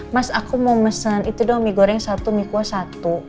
mas aku mau mesen itu dong mie goreng satu mie kuah satu